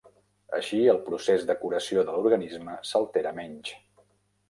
Així, el procés de curació de l'organisme s'altera menys.